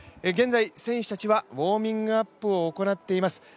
現在、選手たちはウォーミングアップを行っています。